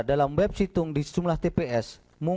dalam web situng di sejumlah tps